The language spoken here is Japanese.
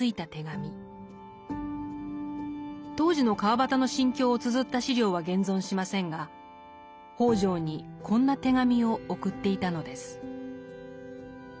当時の川端の心境をつづった資料は現存しませんが北條にこんな手紙を送っていたのです。